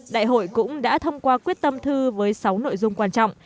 đại hội cũng đã thông qua quyết tâm thư với sáu nội dung quan trọng